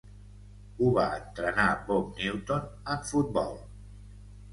Ho va entrenar Bob Newton en futbol.